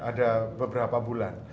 ada beberapa bulan